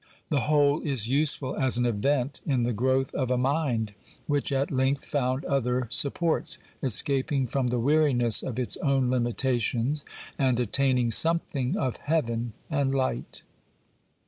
The whole is useful as an event in the growth of a mind which at length found other supports, escaping from the weariness of its own limitations and attaining something of heaven and light.